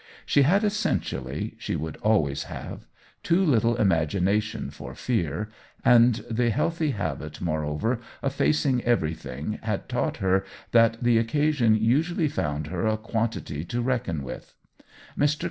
She had essentially, she would always have, too little imagination for fear, and the healthy habit moreover of facing everything had taught her that the occasion usually found her a quantity to reckon with. Mr.